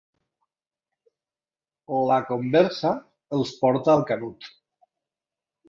La conversa els porta al Canut.